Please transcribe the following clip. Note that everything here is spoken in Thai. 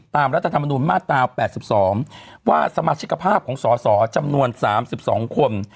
รัฐธรรมนุนมาตรา๘๒ว่าสมาชิกภาพของสสจำนวน๓๒คน